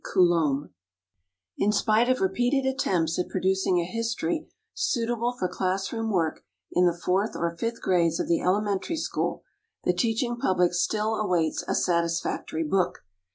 COULOMB. In spite of repeated attempts at producing a history suitable for class room work in the fourth or fifth grades of the elementary school, the teaching public still awaits a satisfactory book.